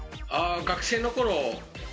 学生の頃。